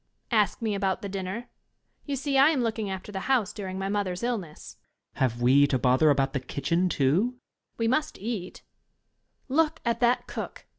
Ask me about the dinner You see, I am looking after the house during my mother's illness. Student. Have we to bother about the kitchen, too? ^^ ft* Young Lady. We must eat Look at that Cook K^^